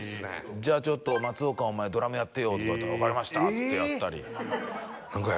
「“じゃあちょっと松岡お前ドラムやってよ”とかって言ったら“わかりました”っつってやったり」